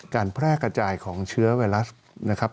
แพร่กระจายของเชื้อไวรัสนะครับ